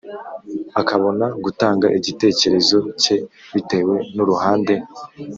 akabona gutanga igitekerezo ke bitewe n’uruhande